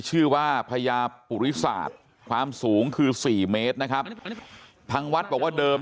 ชื่อว่าพญาปุริศาสตร์ความสูงคือสี่เมตรนะครับทางวัดบอกว่าเดิม